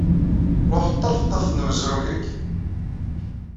Ruḥ ṭṭerf ṭṭerf n wezrug-ayi.